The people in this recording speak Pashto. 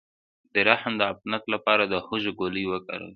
د رحم د عفونت لپاره د هوږې ګولۍ وکاروئ